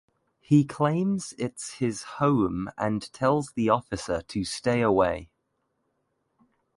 He claims it’s his home and tells the officer to stay away.